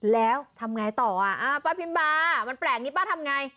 แล้วทำไงต่ออ่ะป้าพิมบามันแปลกนี้ป้าทำไง